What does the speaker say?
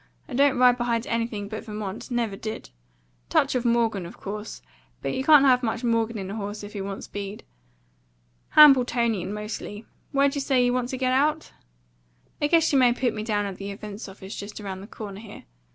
I don't ride behind anything but Vermont; never did. Touch of Morgan, of course; but you can't have much Morgan in a horse if you want speed. Hambletonian mostly. Where'd you say you wanted to get out?" "I guess you may put me down at the Events Office, just round the corner here.